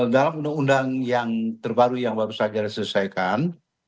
dalam undang undang yang terbaru yang baru saja diselesaikan